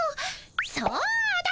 そうだ！